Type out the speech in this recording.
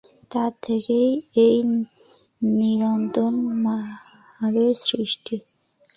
তার থেকে এই নিরন্তর মারের সৃষ্টি।